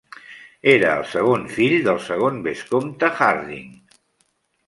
Era el segon fill del segon vescomte Hardinge.